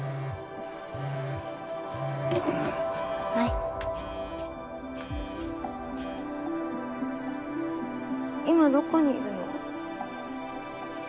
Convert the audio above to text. はい今どこにいるの？